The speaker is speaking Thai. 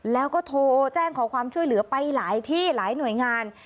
แล้วก็โทรแจ้งขอความช่วยเหลือไปหลายที่หลายหน่วยงาน